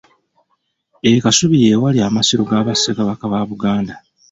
E Kasubi ye wali amasiro ga Bassekabaka ba Buganda.